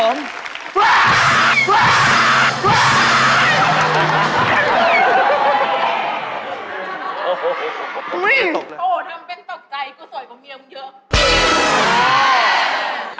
โอ้โหทำเป็นตกใจกูสอยกว่าเมียมึงเยอะ